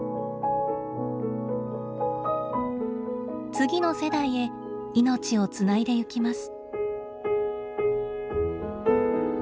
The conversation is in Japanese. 次の世代へ命をつないでいきます。